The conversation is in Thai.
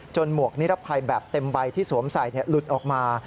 หมวกนิรภัยแบบเต็มใบที่สวมใส่หลุดออกมา